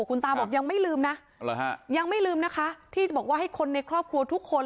คุณตาบอกยังไม่ลืมนะยังไม่ลืมนะคะที่จะบอกว่าให้คนในครอบครัวทุกคน